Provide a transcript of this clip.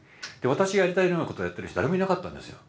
私がやりたいようなことやってる人は誰もいなかったんですよ。